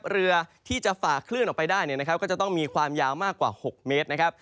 เรือที่จะฝ่าคลื่นออกไปได้ก็จะต้องมีความยาวมากกว่า๖เมตร